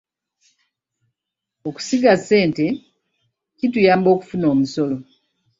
Okusiga ssente kituyamba okufuna omusolo.